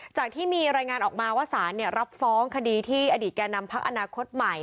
จากที่มีรายงานออกมาว่าสารรับฟ้องคดีที่อดีตแก่นำพักอนาคตใหม่